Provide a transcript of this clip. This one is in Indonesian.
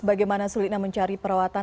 bagaimana sulitnya mencari perawatan